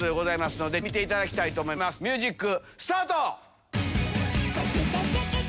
ミュージックスタート！